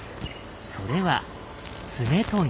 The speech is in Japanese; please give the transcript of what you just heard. それは「爪とぎ」。